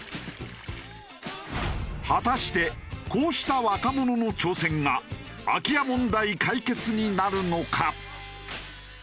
果たしてこうした若者の挑戦が空き家問題解決になるのか？